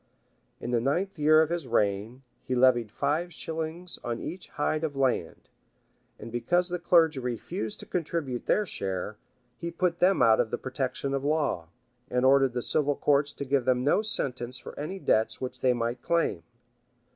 In the ninth year of his reign, he levied five shillings on each hide of land; and because the clergy refused to contribute their share, he put them out of the protection of law, and ordered the civil courts to give them no sentence for any debts which they might claim.